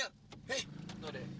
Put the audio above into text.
eh tau deh